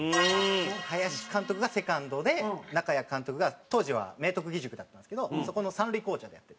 林監督がセカンドで中矢監督が当時は明徳義塾だったんですけどそこの三塁コーチャーでやってて。